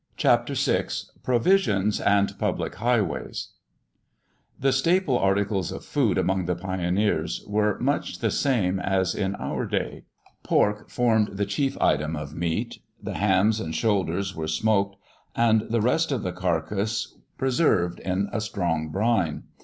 *CHAPTER VI* *PROVISIONS AND PUBLIC HIGHWAYS* The staple articles of food among the pioneers were much the same as in our day. Pork formed the chief item of meat. The hams and shoulders were smoked and the rest of the carcass preserved in a strong brine.